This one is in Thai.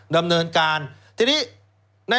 ดำเนินการทีนี้